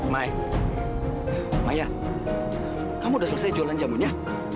mai maya kamu udah selesai jualan jamunya